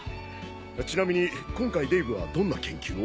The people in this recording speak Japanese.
ちなみに今回デイヴはどんな研究を？